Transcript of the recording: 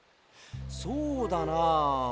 そうだな。